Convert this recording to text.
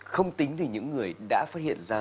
không tính thì những người đã phát hiện ra